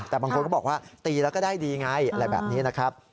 แต่บางคนก็บอกว่าตีแล้วก็ได้ดีไงอะไรแบบนี้นะครับ